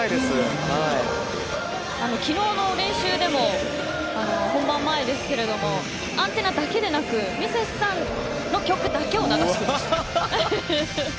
昨日の練習でも本番前ですけれども「ＡＮＴＥＮＮＡ」だけでなくミセスさんの曲だけを流していました。